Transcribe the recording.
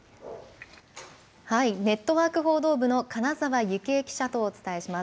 ネットワーク報道部の金澤志江記者とお伝えします。